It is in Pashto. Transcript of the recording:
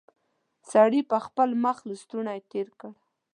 سړي پر خپل مخ لستوڼی تېر کړ.